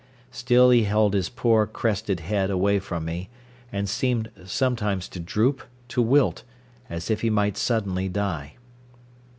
Still he held his poor, crested head away from me, and seemed sometimes to droop, to wilt, as if he might suddenly die.